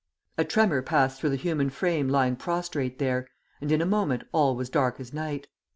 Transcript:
A tremor passed through the human frame lying prostrate there, and in a moment all was dark as night.